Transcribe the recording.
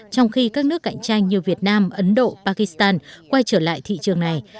trong khi các nước cạnh tranh như việt nam ấn độ pakistan quay trở lại thị trường này